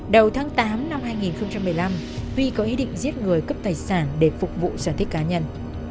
đầu tháng tám năm hai nghìn một mươi năm huy có ý định giết người cấp tài sản để phục vụ giải thích cá nhân